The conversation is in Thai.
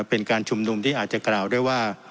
เป็นการชุมนุมที่อาจจะกล่าวด้วยว่า